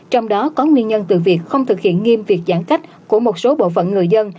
trong đó có nguyên nhân từ việc không thực hiện nghiêm việc giãn cách của một số bộ phận người dân